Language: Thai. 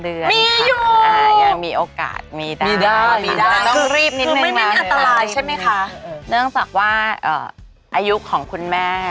เนื่องจากว่าอายุของคุณแม่